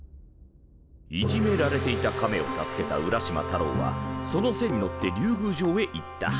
いじめられていたカメを助けた浦島太郎はその背に乗って竜宮城へ行った。